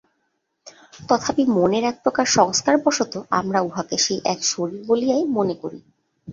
তথাপি মনের একপ্রকার সংস্কারবশত আমরা উহাকে সেই এক শরীর বলিয়াই মনে করি।